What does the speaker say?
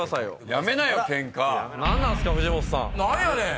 何なんすか藤本さん。何やねん！